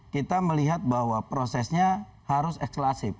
kita melihat bahwa prosesnya harus eksklasif